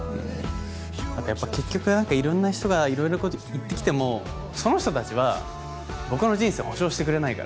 あとやっぱ結局いろんな人がいろいろなこと言ってきてもその人たちは僕の人生を保証してくれないから。